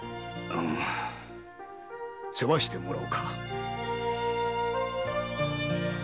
世話してもらおうか。